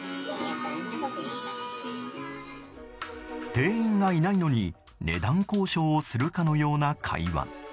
店員がいないのに値段交渉をするかのような会話。